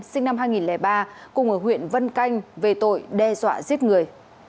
sinh năm hai nghìn ba cùng ở huyện vân canh về tội đe dọa giết người